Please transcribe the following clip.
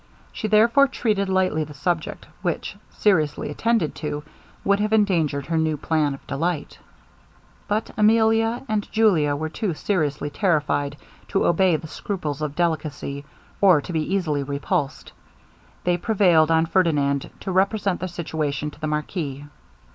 She therefore treated lightly the subject, which, seriously attended to, would have endangered her new plan of delight. But Emilia and Julia were too seriously terrified to obey the scruples of delicacy, or to be easily repulsed. They prevailed on Ferdinand to represent their situation to the marquis.